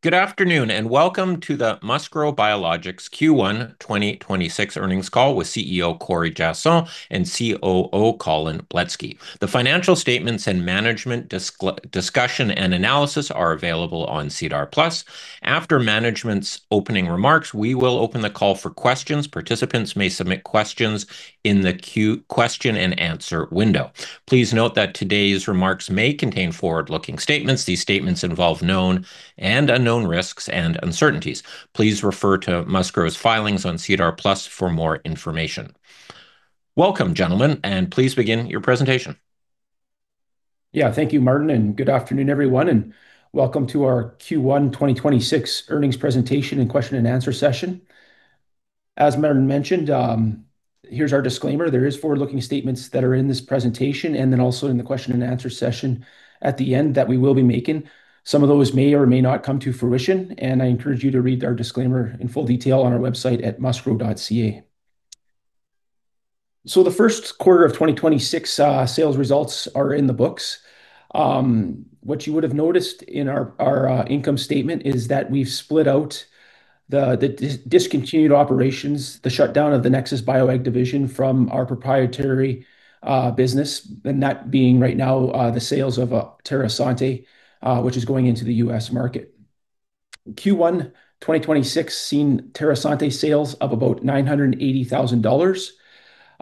Good afternoon, and welcome to the MustGrow Biologics Q1 2026 Earnings Call with CEO Corey Giasson and COO Colin Bletsky. The financial statements and management discussion and analysis are available on SEDAR+. After management's opening remarks, we will open the call for questions. Participants may submit questions in the question and answer window. Please note that today's remarks may contain forward-looking statements. These statements involve known and unknown risks and uncertainties. Please refer to MustGrow's filings on SEDAR+ for more information. Welcome, gentlemen, please begin your presentation. Thank you, Martin, good afternoon, everyone, and welcome to our Q1 2026 earnings presentation and question and answer session. As Martin mentioned, here's our disclaimer. There is forward-looking statements that are in this presentation, then also in the question and answer session at the end that we will be making. Some of those may or may not come to fruition, I encourage you to read our disclaimer in full detail on our website at mustgrow.ca. The first quarter of 2026 sales results are in the books. What you would have noticed in our income statement is that we've split out the discontinued operations, the shutdown of the NexusBioAg division from our proprietary business, and that being right now, the sales of TerraSante, which is going into the U.S. market. Q1 2026 seen TerraSante sales of about 980,000 dollars.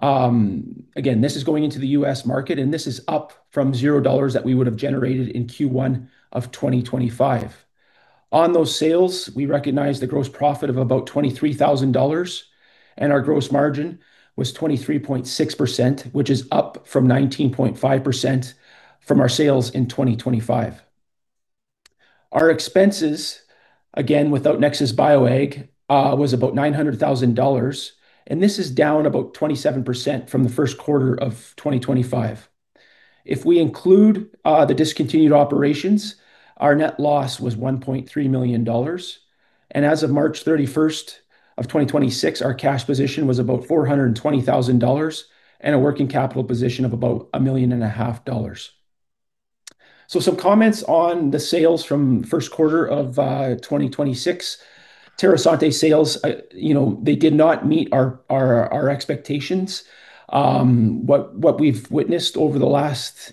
Again, this is going into the U.S. market, this is up from 0 dollars that we would have generated in Q1 of 2025. On those sales, we recognized a gross profit of about 23,000 dollars, our gross margin was 23.6%, which is up from 19.5% from our sales in 2025. Our expenses, without NexusBioAg, was about 900,000 dollars, this is down about 27% from the first quarter of 2025. If we include the discontinued operations, our net loss was CAD 1.3 million. As of March 31st of 2026, our cash position was about CAD 420,000 and a working capital position of about 1.5 million. Some comments on the sales from first quarter of 2026. TerraSante sales, they did not meet our expectations. What we've witnessed over the last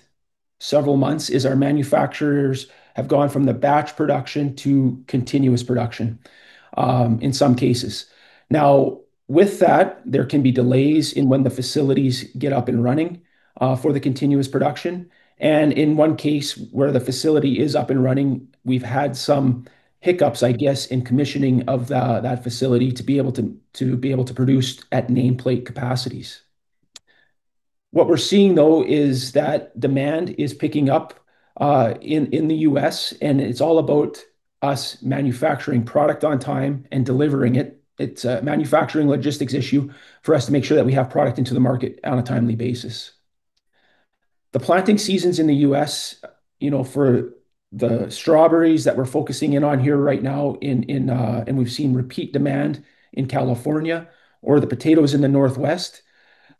several months is our manufacturers have gone from the batch production to continuous production in some cases. With that, there can be delays in when the facilities get up and running for the continuous production. In one case where the facility is up and running, we've had some hiccups, I guess, in commissioning of that facility to be able to produce at nameplate capacities. What we're seeing, though, is that demand is picking up in the U.S., and it's all about us manufacturing product on time and delivering it. It's a manufacturing logistics issue for us to make sure that we have product into the market on a timely basis. The planting seasons in the U.S., for the strawberries that we're focusing in on here right now and we've seen repeat demand in California or the potatoes in the Northwest.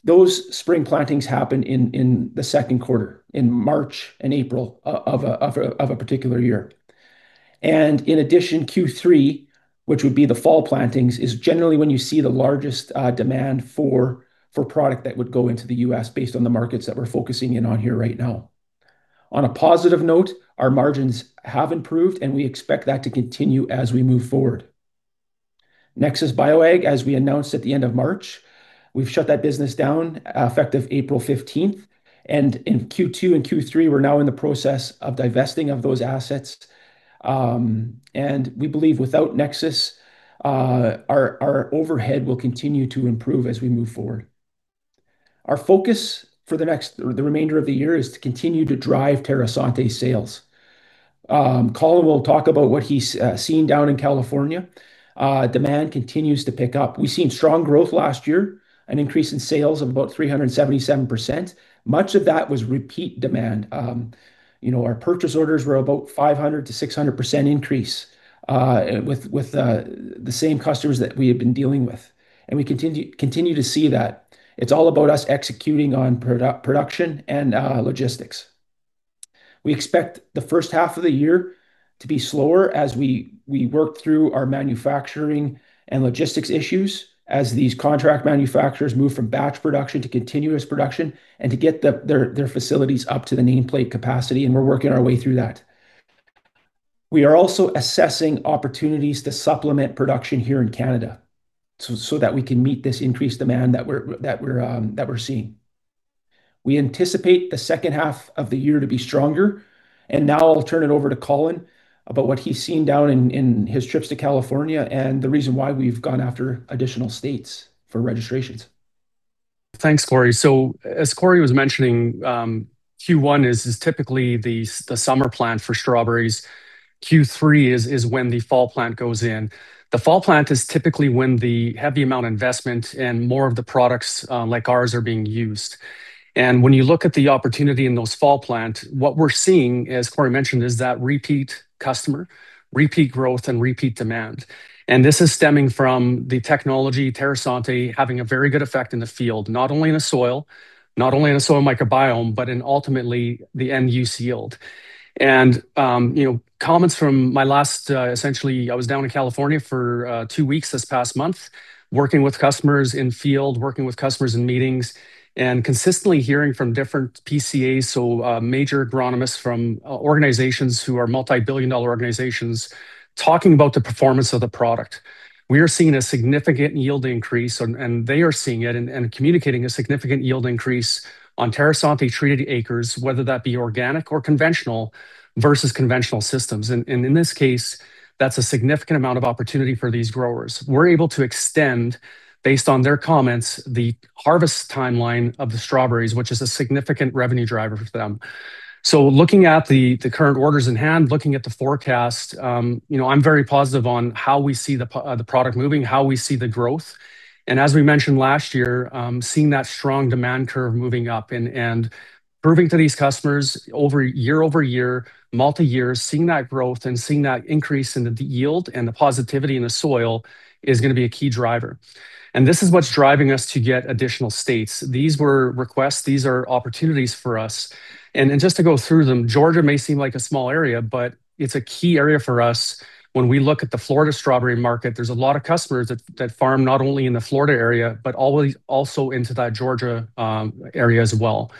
Those spring plantings happen in the second quarter, in March and April of a particular year. In addition, Q3, which would be the fall plantings, is generally when you see the largest demand for product that would go into the U.S.-based on the markets that we're focusing in on here right now. On a positive note, our margins have improved, and we expect that to continue as we move forward. NexusBioAg, as we announced at the end of March, we've shut that business down effective April 15th. In Q2 and Q3, we're now in the process of divesting of those assets. We believe without Nexus, our overhead will continue to improve as we move forward. Our focus for the remainder of the year is to continue to drive TerraSante sales. Colin will talk about what he's seen down in California. Demand continues to pick up. We've seen strong growth last year, an increase in sales of about 377%. Much of that was repeat demand. Our purchase orders were about 500%-600% increase, with the same customers that we have been dealing with. We continue to see that. It's all about us executing on production and logistics. We expect the first half of the year to be slower as we work through our manufacturing and logistics issues as these contract manufacturers move from batch production to continuous production and to get their facilities up to the nameplate capacity, and we're working our way through that. We are also assessing opportunities to supplement production here in Canada so that we can meet this increased demand that we're seeing. We anticipate the second half of the year to be stronger, and now I'll turn it over to Colin about what he's seen down in his trips to California and the reason why we've gone after additional states for registrations. Thanks, Corey. As Corey was mentioning, Q1 is typically the summer plant for strawberries. Q3 is when the fall plant goes in. The fall plant is typically when the heavy amount investment and more of the products like ours are being used. When you look at the opportunity in those fall plant, what we're seeing, as Corey mentioned, is that repeat customer, repeat growth, and repeat demand. This is stemming from the technology, TerraSante, having a very good effect in the field, not only in the soil, not only in the soil microbiome, but in ultimately the end use yield. Comments from my last, essentially I was down in California for two weeks this past month, working with customers in field, working with customers in meetings, and consistently hearing from different PCAs, so major agronomists from organizations who are multi-billion dollar organizations, talking about the performance of the product. We are seeing a significant yield increase, and they are seeing it and communicating a significant yield increase on TerraSante-treated acres, whether that be organic or conventional, versus conventional systems. In this case, that's a significant amount of opportunity for these growers. We're able to extend, based on their comments, the harvest timeline of the strawberries, which is a significant revenue driver for them. Looking at the current orders in hand, looking at the forecast, I'm very positive on how we see the product moving, how we see the growth, and as we mentioned last year, seeing that strong demand curve moving up and proving to these customers year-over-year, multi-year, seeing that growth and seeing that increase in the yield and the positivity in the soil is going to be a key driver. This is what's driving us to get additional states. These were requests. These are opportunities for us. Just to go through them, Georgia may seem like a small area, but it's a key area for us. When we look at the Florida strawberry market, there's a lot of customers that farm not only in the Florida area, but also into that Georgia area as well.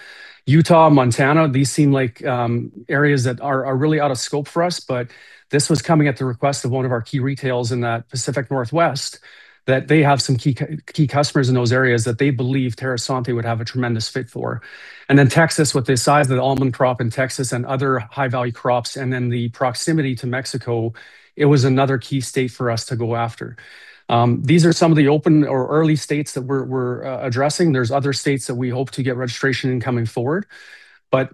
Utah, Montana, these seem like areas that are really out of scope for us, but this was coming at the request of one of our key retails in that Pacific Northwest, that they have some key customers in those areas that they believe TerraSante would have a tremendous fit for. Texas, with the size of the almond crop in Texas and other high-value crops, then the proximity to Mexico, it was another key state for us to go after. These are some of the open or early states that we're addressing. There's other states that we hope to get registration in coming forward.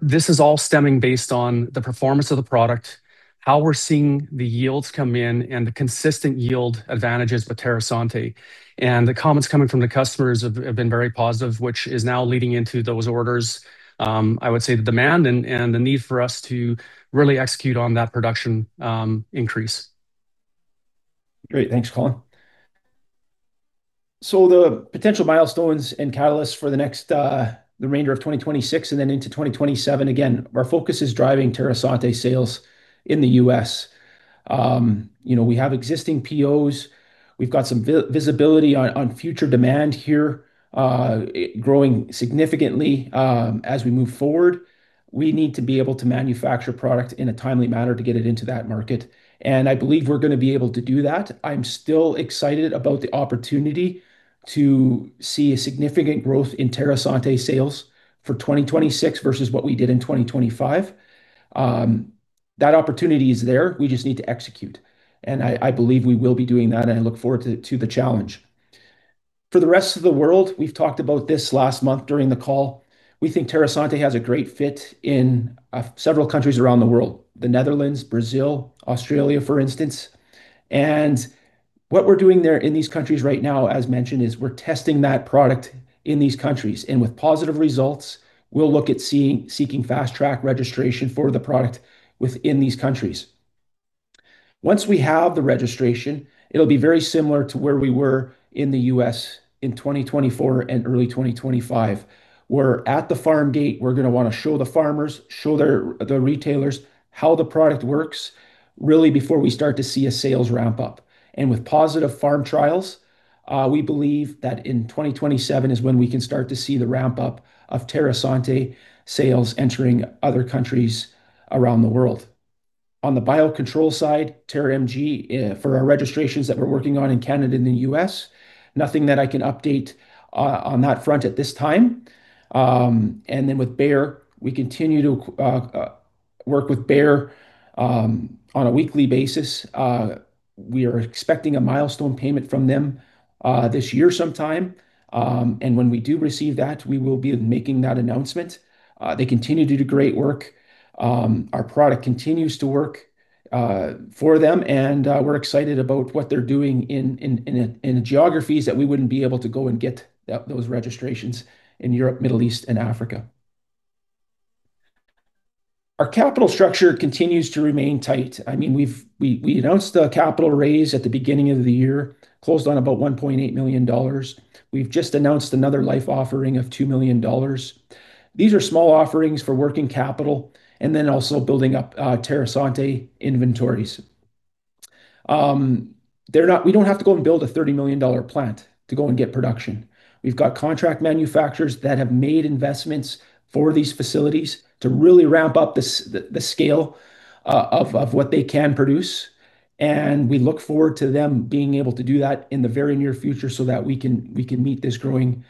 This is all stemming based on the performance of the product, how we're seeing the yields come in, and the consistent yield advantages with TerraSante. The comments coming from the customers have been very positive, which is now leading into those orders, I would say the demand and the need for us to really execute on that production increase. Great. Thanks, Colin. The potential milestones and catalysts for the next, the remainder of 2026 and then into 2027, again, our focus is driving TerraSante sales in the U.S. We have existing POs. We've got some visibility on future demand here growing significantly as we move forward. We need to be able to manufacture product in a timely manner to get it into that market. I believe we're going to be able to do that. I'm still excited about the opportunity to see a significant growth in TerraSante sales for 2026 versus what we did in 2025. That opportunity is there. We just need to execute. I believe we will be doing that. I look forward to the challenge. For the rest of the world, we've talked about this last month during the call. We think TerraSante has a great fit in several countries around the world, the Netherlands, Brazil, Australia, for instance. What we're doing there in these countries right now, as mentioned, is we're testing that product in these countries. With positive results, we'll look at seeking fast-track registration for the product within these countries. Once we have the registration, it'll be very similar to where we were in the U.S. in 2024 and early 2025, where at the farm gate, we're going to want to show the farmers, show the retailers how the product works, really before we start to see a sales ramp-up. With positive farm trials, we believe that in 2027 is when we can start to see the ramp-up of TerraSante sales entering other countries around the world. On the biocontrol side, TerraMG, for our registrations that we're working on in Canada and the U.S., nothing that I can update on that front at this time. With Bayer, we continue to work with Bayer on a weekly basis. We are expecting a milestone payment from them this year sometime. When we do receive that, we will be making that announcement. They continue to do great work. Our product continues to work for them, and we're excited about what they're doing in the geographies that we wouldn't be able to go and get those registrations in Europe, Middle East, and Africa. Our capital structure continues to remain tight. We announced a capital raise at the beginning of the year, closed on about 1.8 million dollars. We've just announced another LIFE Offering of 2 million dollars. These are small offerings for working capital and then also building up TerraSante inventories. We don't have to go and build a 30 million dollar plant to go and get production. We've got contract manufacturers that have made investments for these facilities to really ramp up the scale of what they can produce, and we look forward to them being able to do that in the very near future so that we can meet this growing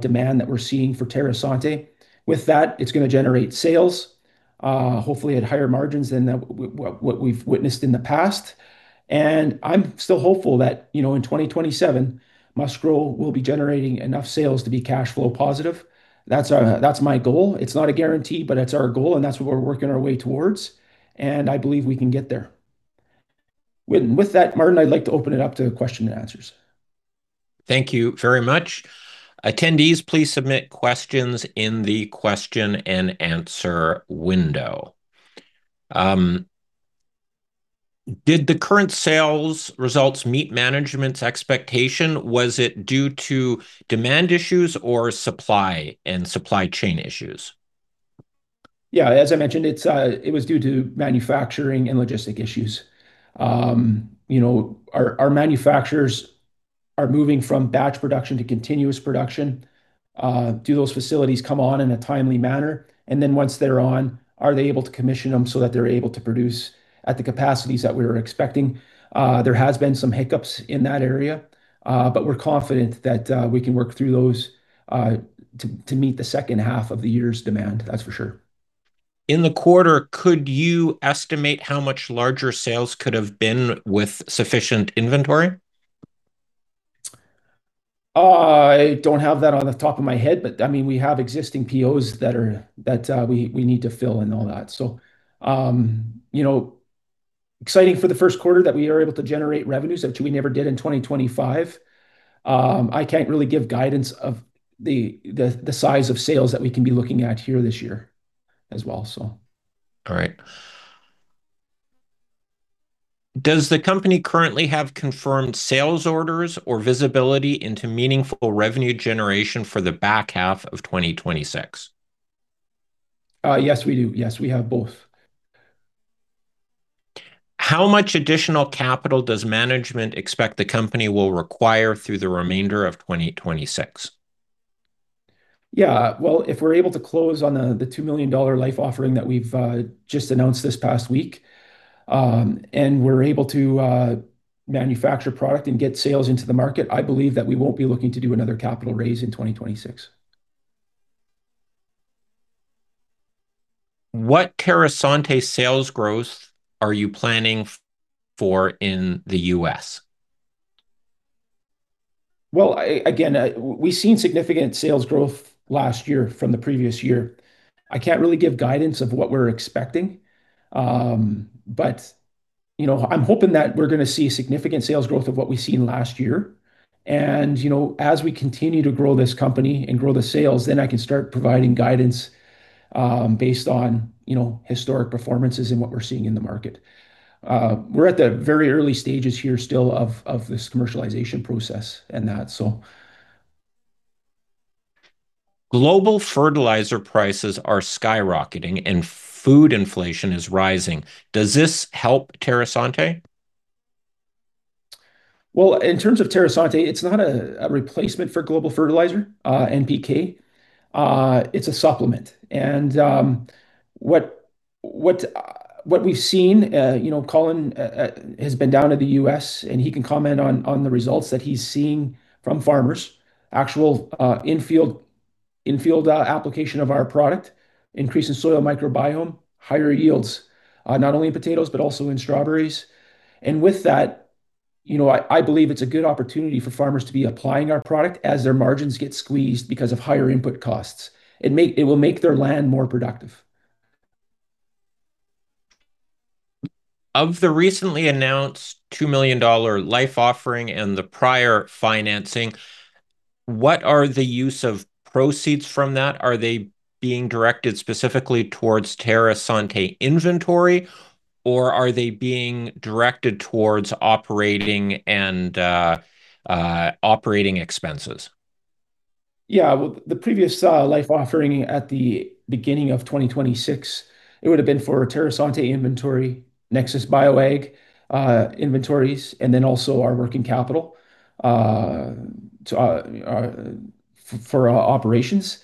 demand that we're seeing for TerraSante. With that, it's going to generate sales. Hopefully at higher margins than what we've witnessed in the past. I'm still hopeful that in 2027, MustGrow will be generating enough sales to be cash flow positive. That's my goal. It's not a guarantee, but it's our goal, and that's what we're working our way towards, and I believe we can get there. With that, Martin, I'd like to open it up to question and answers. Thank you very much. Attendees, please submit questions in the question and answer window. Did the current sales results meet management's expectation? Was it due to demand issues or supply and supply chain issues? Yeah. As I mentioned, it was due to manufacturing and logistic issues. Our manufacturers are moving from batch production to continuous production. Do those facilities come on in a timely manner? Then once they're on, are they able to commission them so that they're able to produce at the capacities that we were expecting? There has been some hiccups in that area. We're confident that we can work through those to meet the second half of the year's demand, that's for sure. In the quarter, could you estimate how much larger sales could have been with sufficient inventory? I don't have that on the top of my head, but we have existing POs that we need to fill and all that. Exciting for the first quarter that we are able to generate revenues, which we never did in 2025. I can't really give guidance of the size of sales that we can be looking at here this year as well. All right. Does the company currently have confirmed sales orders or visibility into meaningful revenue generation for the back half of 2026? Yes, we do. Yes, we have both. How much additional capital does management expect the company will require through the remainder of 2026? Well, if we're able to close on the 2 million dollar LIFE Offering that we've just announced this past week, and we're able to manufacture product and get sales into the market, I believe that we won't be looking to do another capital raise in 2026. What TerraSante sales growth are you planning for in the U.S.? Well, again, we've seen significant sales growth last year from the previous year. I can't really give guidance of what we're expecting. I'm hoping that we're going to see significant sales growth of what we've seen last year. As we continue to grow this company and grow the sales, I can start providing guidance based on historic performances and what we're seeing in the market. We're at the very early stages here still of this commercialization process and that. Global fertilizer prices are skyrocketing and food inflation is rising. Does this help TerraSante? Well, in terms of TerraSante, it's not a replacement for global fertilizer, NPK. It's a supplement. What we've seen, Colin has been down to the U.S., and he can comment on the results that he's seeing from farmers. Actual in-field application of our product, increase in soil microbiome, higher yields, not only in potatoes but also in strawberries. With that, I believe it's a good opportunity for farmers to be applying our product as their margins get squeezed because of higher input costs. It will make their land more productive. Of the recently announced 2 million dollar LIFE Offering and the prior financing, what are the use of proceeds from that? Are they being directed specifically towards TerraSante inventory, or are they being directed towards operating and operating expenses? Yeah. Well, the previous LIFE Offering at the beginning of 2026, it would've been for TerraSante inventory, NexusBioAg inventories, also our working capital for our operations.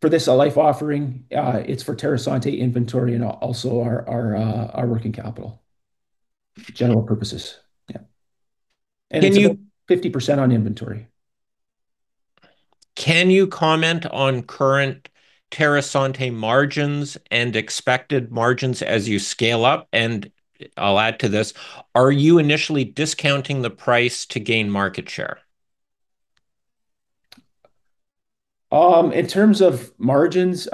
For this LIFE Offering, it's for TerraSante inventory also our working capital. General purposes. It's about 50% on inventory. Can you comment on current TerraSante margins and expected margins as you scale up? I'll add to this, are you initially discounting the price to gain market share? In terms of margins,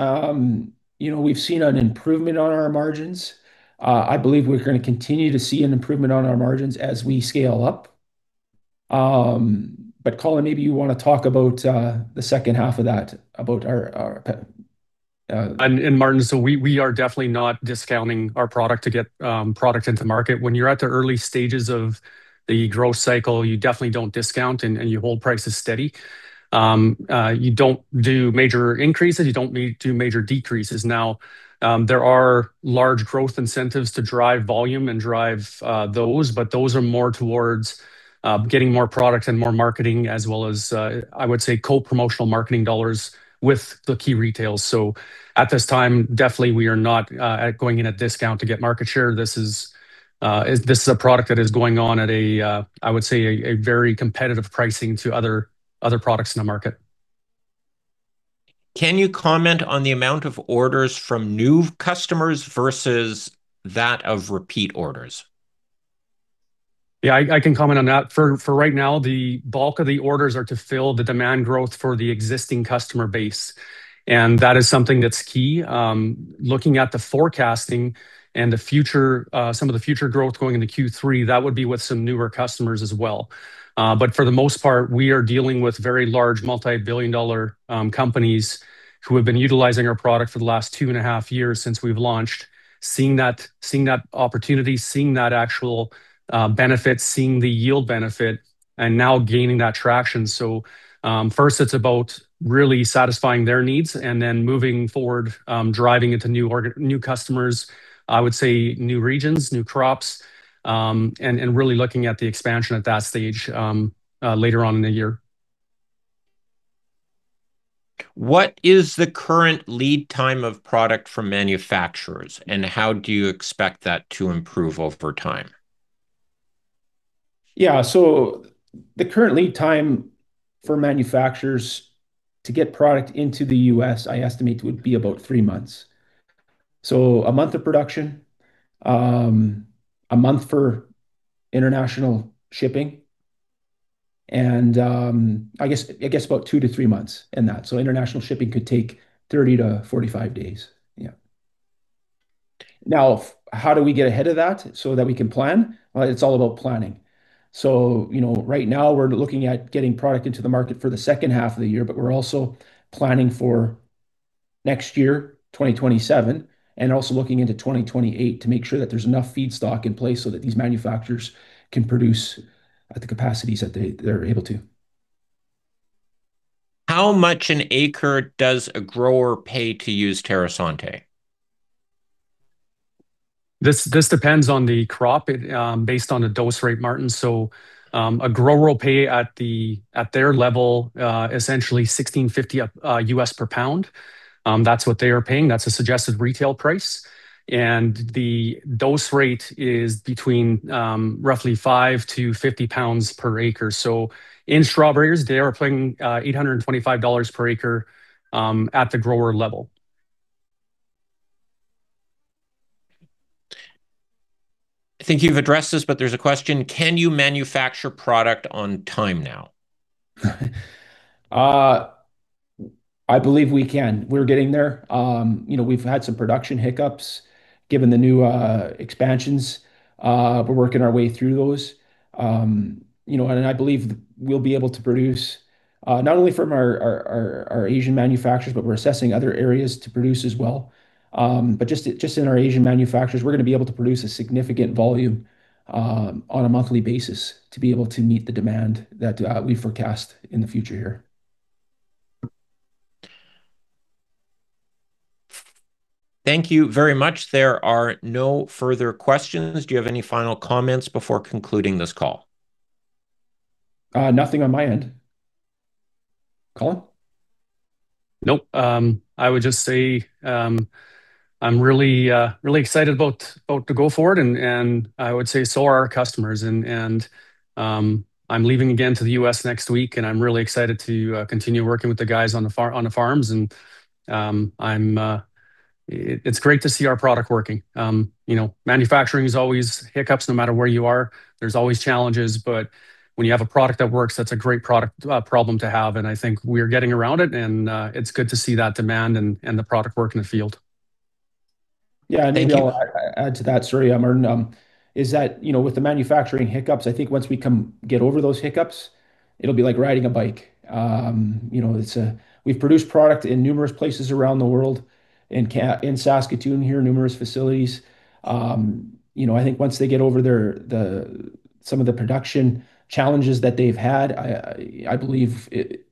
we've seen an improvement on our margins. I believe we're going to continue to see an improvement on our margins as we scale up. Colin, maybe you want to talk about the second half of that. Martin, we are definitely not discounting our product to get product into market. When you're at the early stages of the growth cycle, you definitely don't discount, and you hold prices steady. You don't do major increases. You don't do major decreases. There are large growth incentives to drive volume and drive those, but those are more towards getting more product and more marketing as well as, I would say, co-promotional marketing dollars with the key retailers. At this time, definitely we are not going in at discount to get market share. This is a product that is going on at a, I would say, a very competitive pricing to other other products in the market. Can you comment on the amount of orders from new customers versus that of repeat orders? I can comment on that. For right now, the bulk of the orders are to fill the demand growth for the existing customer base, and that is something that's key. Looking at the forecasting and some of the future growth going into Q3, that would be with some newer customers as well. For the most part, we are dealing with very large multi-billion dollar companies who have been utilizing our product for the last 2.5 years since we've launched. Seeing that opportunity, seeing that actual benefit, seeing the yield benefit, and now gaining that traction. First, it's about really satisfying their needs and then moving forward, driving into new customers. I would say new regions, new crops, and really looking at the expansion at that stage later on in the year. What is the current lead time of product from manufacturers, and how do you expect that to improve over time? Yeah. The current lead time for manufacturers to get product into the U.S., I estimate, would be about three months. One month of production, one month for international shipping, and I guess about two-three months in that. International shipping could take 30-45 days. Now, how do we get ahead of that so that we can plan? Well, it's all about planning. Right now we're looking at getting product into the market for the second half of the year, but we're also planning for next year, 2027, and also looking into 2028 to make sure that there's enough feedstock in place so that these manufacturers can produce at the capacities that they're able to. How much an acre does a grower pay to use TerraSante? This depends on the crop, based on the dose rate, Martin. A grower will pay at their level, essentially $16.50/lb. That's what they are paying. That's a suggested retail price. The dose rate is between roughly 5 lbs to 50 lbs per acre. In strawberries, they are paying $825 per acre at the grower level. I think you've addressed this, but there's a question. Can you manufacture product on time now? I believe we can. We're getting there. We've had some production hiccups given the new expansions. We're working our way through those. I believe we'll be able to produce not only from our Asian manufacturers, but we're assessing other areas to produce as well. Just in our Asian manufacturers, we're going to be able to produce a significant volume on a monthly basis to be able to meet the demand that we forecast in the future here. Thank you very much. There are no further questions. Do you have any final comments before concluding this call? Nothing on my end. Colin? Nope. I would just say, I'm really excited about the go forward, and I would say so are our customers. I'm leaving again to the U.S. next week, and I'm really excited to continue working with the guys on the farms. It's great to see our product working. Manufacturing is always hiccups no matter where you are. There's always challenges. When you have a product that works, that's a great problem to have. I think we're getting around it and it's good to see that demand and the product work in the field. Yeah. Maybe I'll add to that story, Martin, is that, with the manufacturing hiccups, I think once we can get over those hiccups, it'll be like riding a bike. We've produced product in numerous places around the world, in Saskatoon here, numerous facilities. I think once they get over some of the production challenges that they've had, I believe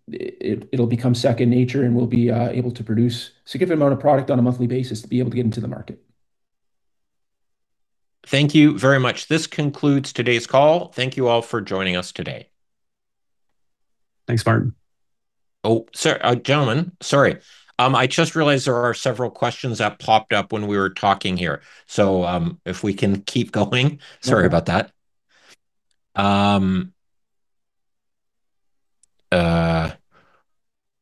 it'll become second nature, and we'll be able to produce significant amount of product on a monthly basis to be able to get into the market. Thank you very much. This concludes today's call. Thank you all for joining us today. Thanks, Martin. Oh, gentlemen, sorry. I just realized there are several questions that popped up when we were talking here. If we can keep going. Sorry about that.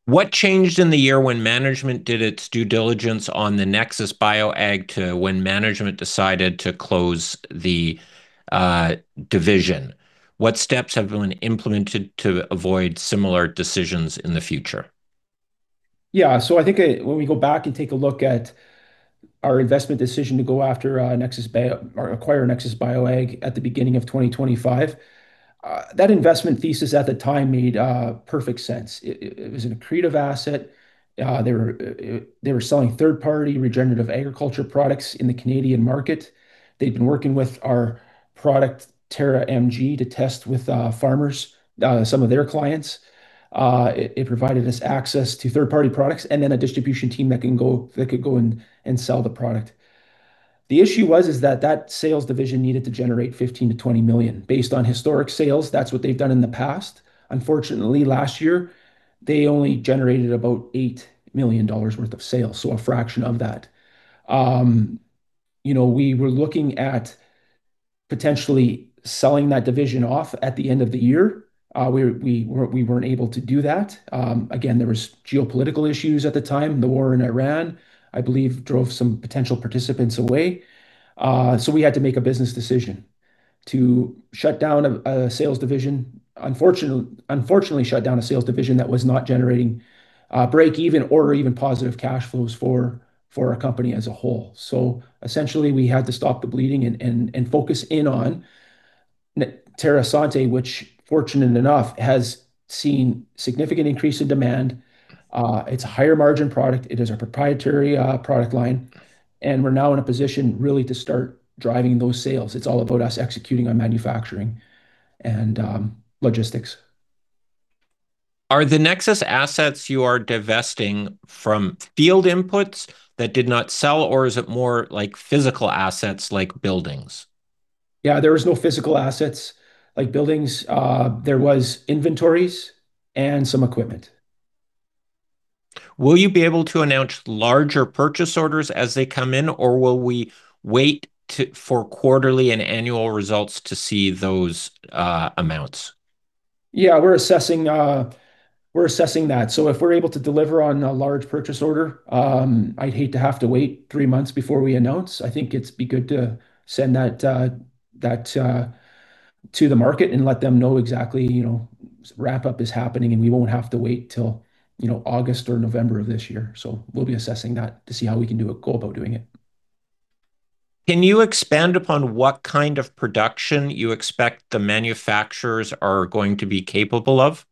What changed in the year when management did its due diligence on the NexusBioAg to when management decided to close the division? What steps have been implemented to avoid similar decisions in the future? Yeah. I think when we go back and take a look at our investment decision to go after NexusBioAg or acquire NexusBioAg at the beginning of 2025, that investment thesis at the time made perfect sense. It was an accretive asset. They were selling third-party regenerative agriculture products in the Canadian market. They'd been working with our product, TerraMG, to test with farmers, some of their clients. It provided us access to third-party products, then a distribution team that could go in and sell the product. The issue was, that sales division needed to generate 15 million-20 million. Based on historic sales, that's what they've done in the past. Unfortunately, last year, they only generated about 8 million dollars worth of sales. A fraction of that. Potentially selling that division off at the end of the year. We weren't able to do that. Again, there was geopolitical issues at the time. The war in Iran, I believe, drove some potential participants away. We had to make a business decision to shut down a sales division, unfortunately shut down a sales division that was not generating breakeven or even positive cash flows for our company as a whole. Essentially, we had to stop the bleeding and focus in on TerraSante, which fortunate enough has seen significant increase in demand. It's a higher margin product. It is our proprietary product line, we're now in a position really to start driving those sales. It's all about us executing on manufacturing and logistics. Are the Nexus assets you are divesting from field inputs that did not sell, or is it more physical assets like buildings? Yeah, there was no physical assets like buildings. There was inventories and some equipment. Will you be able to announce larger purchase orders as they come in, or will we wait for quarterly and annual results to see those amounts? Yeah, we're assessing that. If we're able to deliver on a large purchase order, I'd hate to have to wait three months before we announce. I think it'd be good to send that to the market and let them know exactly wrap-up is happening, and we won't have to wait till August or November of this year. We'll be assessing that to see how we can go about doing it. Can you expand upon what kind of production you expect the manufacturers are going to be capable of?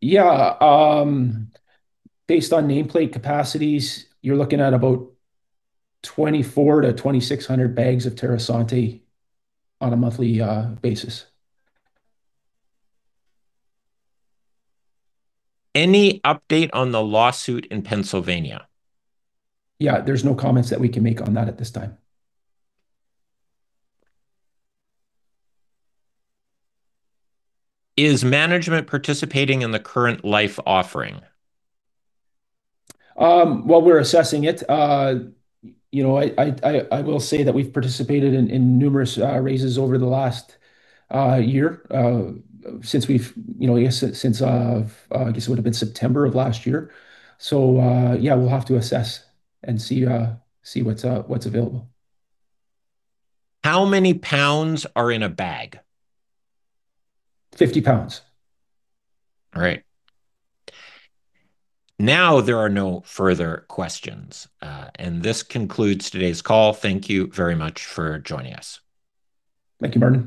Yeah. Based on nameplate capacities, you're looking at about 2,400 to 2,600 bags of TerraSante on a monthly basis. Any update on the lawsuit in Pennsylvania? There's no comments that we can make on that at this time. Is management participating in the current LIFE Offering? Well, we're assessing it. I will say that we've participated in numerous raises over the last year, since, I guess it would've been September of last year. Yeah, we'll have to assess and see what's available. How many pounds are in a bag? 50 lbs. All right. Now there are no further questions. This concludes today's call. Thank you very much for joining us. Thank you, Martin.